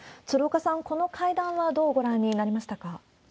鶴岡さん、この会談はどうご覧になりましたか？